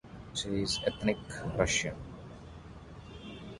She is ethnic Russian.